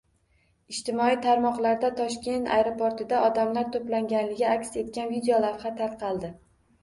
Ijtimoiy tarmoqlarda Toshkent aeroportida odamlar to‘plangani aks etgan videolavha tarqaldi